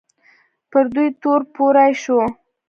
پر دوی تور پورې شو